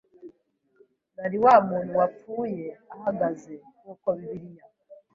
nari wa muntu wapfuye ahagaze nkuko bibiliya